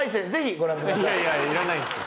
いやいやいらないですよ。